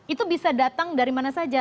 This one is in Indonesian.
itu bisa datang dari mana saja